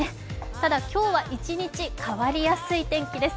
ただ今日は一日変わりやすい天気です。